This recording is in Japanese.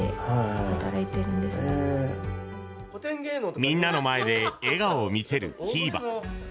みんなの前で笑顔を見せるひーば。